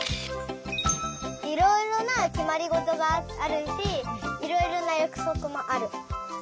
いろいろなきまりごとがあるしいろいろなやくそくもある。